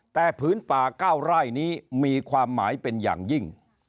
แต่ผืนป่า๙ไร่นี้มีความหมายเป็นอย่างยิ่ง